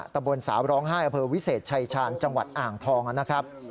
ตะบนสาวร้องไห้อเภอวิเศษชายชาญจังหวัดอ่างทองนะครับ